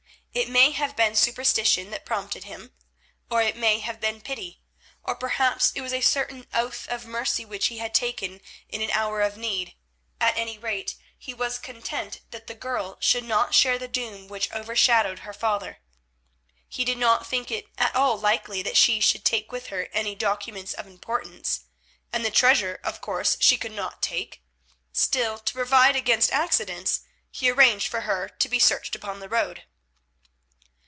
It may have been superstition that prompted him, or it may have been pity, or perhaps it was a certain oath of mercy which he had taken in an hour of need; at any rate, he was content that the girl should not share the doom which overshadowed her father. He did not think it at all likely that she would take with her any documents of importance, and the treasure, of course, she could not take; still, to provide against accidents he arranged for her to be searched upon the road.